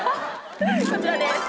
こちらです。